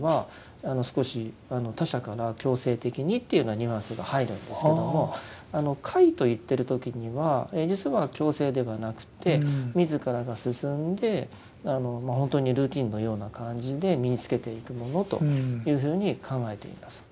「律」っていう言葉でいわれる時にはが入るんですけども「戒」といってるときには実は強制ではなくて自らが進んで本当にルーティンのような感じで身につけていくものというふうに考えています。